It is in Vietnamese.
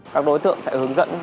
các đối tượng sẽ hướng dẫn